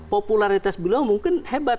popularitas beliau mungkin hebat